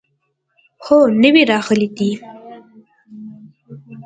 هو، نوي راغلي دي